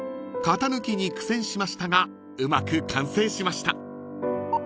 ［型抜きに苦戦しましたがうまく完成しました］